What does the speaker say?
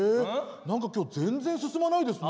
何か今日全然進まないですね。